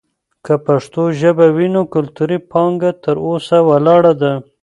که پښتو ژبه وي، نو کلتوري پانګه تر اوسه ولاړه ده.